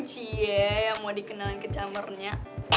cie yang mau dikenal ke chammernya